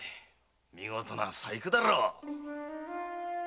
見事な細工だろう。